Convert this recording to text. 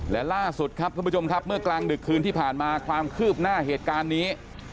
และล่าสุดครับท่านผู้ชมครับเมื่อกลางดึกคืนที่ผ่านมาความคืบหน้าเหตุการณ์นี้